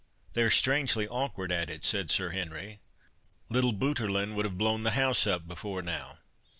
"They are strangely awkward at it," said Sir Henry; "little Boutirlin would have blown the house up before now.